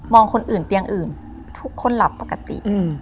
คนอื่นเตียงอื่นทุกคนหลับปกติ